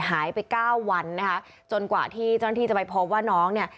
หายไปเก้าวันนะคะจนกว่าที่เจ้าหน้าที่จะไปพบว่าน้องเนี่ย